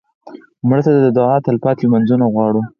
مړه ته د دعا تلپاتې لمونځونه غواړو